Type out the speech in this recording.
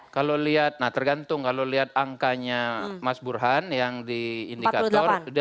kalau lihat nah tergantung kalau lihat angkanya mas burhan yang di indikator